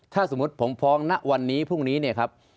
ถ้าสมมุติผมฟ้องณวันนี้พรุ่งนี้เนี่ยครับ